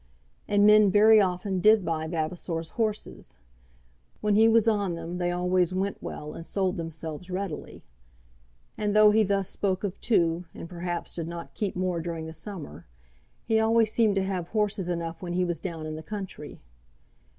And men very often did buy Vavasor's horses. When he was on them they always went well and sold themselves readily. And though he thus spoke of two, and perhaps did not keep more during the summer, he always seemed to have horses enough when he was down in the country.